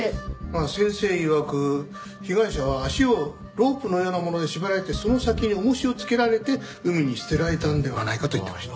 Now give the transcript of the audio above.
先生いわく被害者は足をロープのようなもので縛られてその先に重しをつけられて海に捨てられたのではないかと言ってました。